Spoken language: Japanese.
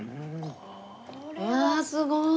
うわすごい！